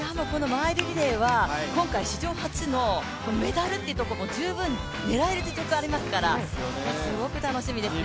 マイルリレーは今回史上初のメダルというところも十分狙える実力ありますからすごく楽しみですね。